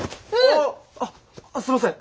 あっあすみません。